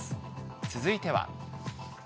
続いては。